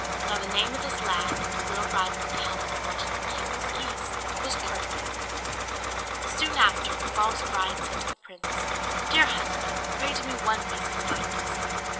Now the name of this lad, that the real bride was to help in watching the king's geese, was Curdken. Soon after, the false bride said to the prince, "Dear husband pray do me one piece of kindness."